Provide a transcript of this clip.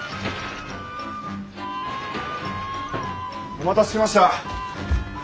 お待たせしました！